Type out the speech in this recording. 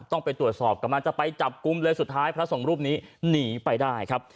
ต้องไปตรวจสอบกำลังจะไปจับกลุ่มเลยสุดท้ายพระสงฆ์รูปนี้หนีไปได้ครับ